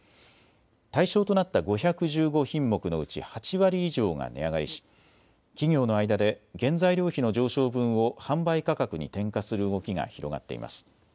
対象となった５１５品目のうち８割以上が値上がりし企業の間で原材料費の上昇分を販売価格に転嫁する動きが広がっています。